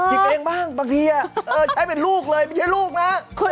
เองบ้างบางทีใช้เป็นลูกเลยไม่ใช่ลูกนะ